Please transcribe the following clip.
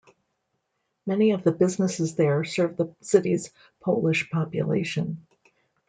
Many of the businesses there serve the city's Polish population.